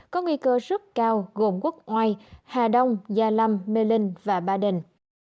có nguy cơ rất cao gồm quốc oai hà đông gia lâm mê linh và ba đình